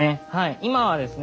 今はですね